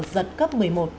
giật cấp một mươi một